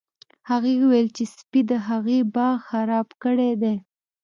هغې وویل چې سپي د هغې باغ خراب کړی دی